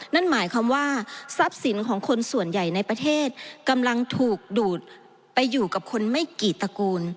นั่นหมายความว่าทรัพย์สินของคนส่วนใหญ่ในประเทศกำลังถูกดูดไปอยู่กับคนไม่กี่ตระกูล